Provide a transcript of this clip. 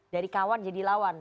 dari kawan jadi lawan